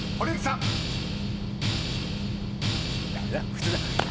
普通だ。